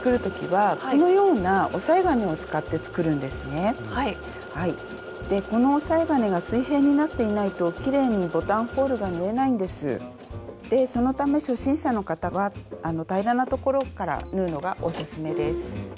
そのため初心者の方は平らなところから縫うのがオススメです。